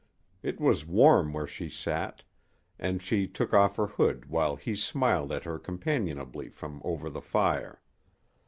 It was warm where she sat, and she took off her hood while he smiled at her companionably from over the fire.